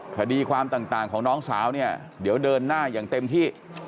คดีความต่างของน้องสาวเนี่ยเดี๋ยวเดินหน้าอย่างเต็มที่